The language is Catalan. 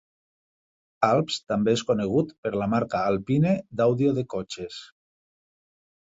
Alps també és conegut per la marca Alpine d'àudio de cotxes.